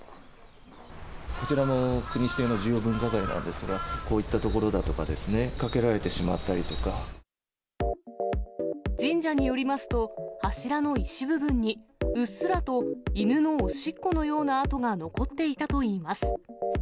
こちらの国指定の重要文化財なのですが、こういった所だとかですね、かけられてしまったりと神社によりますと、柱の石部分に、うっすらと犬のおしっこのような跡が残っていたといいます。